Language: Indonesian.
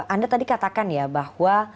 anda tadi katakan ya bahwa